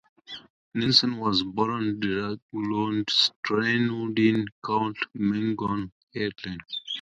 Nelson was born Deraghland, Stranooden, County Monaghan, Ireland.